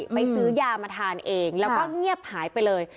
ซื้อยามาทานเองแล้วก็เงียบหายไปเลย